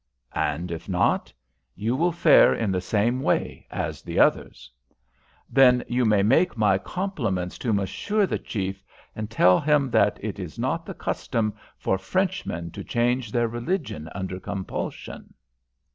"And if not?" "You will fare in the same way as the others." "Then you may make my compliments to monsieur the chief, and tell him that it is not the custom for Frenchmen to change their religion under compulsion."